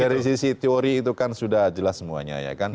dari sisi teori itu kan sudah jelas semuanya ya kan